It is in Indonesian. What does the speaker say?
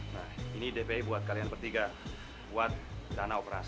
nah ini dpi buat kalian bertiga buat dana operasi